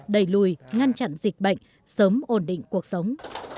đẩy lùi ngăn chặn dịch bệnh sớm ổn định cuộc sống